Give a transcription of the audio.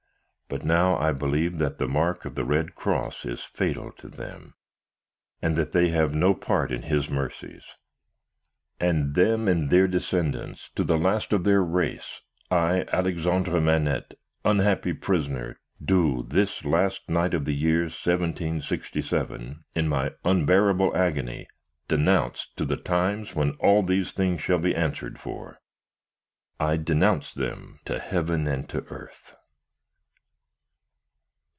But, now I believe that the mark of the red cross is fatal to them, and that they have no part in His mercies. And them and their descendants, to the last of their race, I, Alexandre Manette, unhappy prisoner, do this last night of the year 1767, in my unbearable agony, denounce to the times when all these things shall be answered for. I denounce them to Heaven and to earth."